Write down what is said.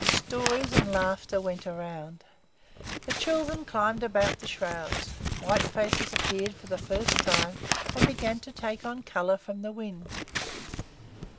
Stories and laughter went around. The children climbed about the shrouds. White faces appeared for the first time, and began to take on colour from the wind.